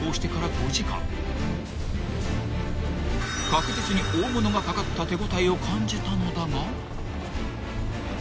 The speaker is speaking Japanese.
［確実に大物が掛かった手応えを感じたのだが］